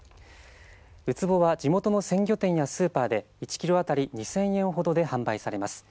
ウツボは地元の鮮魚店やスーパーで１キロあたり２０００円ほどで販売されます。